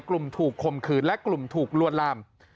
กลุ่มถูกคมคืนและกลุ่มถูกลวนลาม